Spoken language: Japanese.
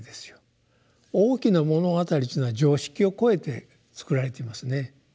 「大きな物語」というのは常識を超えてつくられていますね。